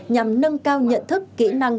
nhằm nâng cao nhận thức kỹ năng